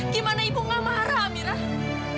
gimana ibu gak marah amirah